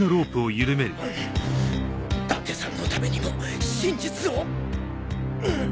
伊達さんのためにも真実をんん！